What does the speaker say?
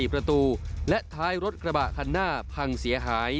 ประตูและท้ายรถกระบะคันหน้าพังเสียหาย